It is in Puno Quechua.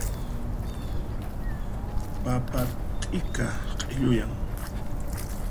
Papa t'ika q'illuyan.